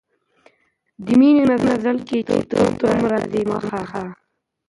د ميني په مزل کي چي تور تم راځي په مخه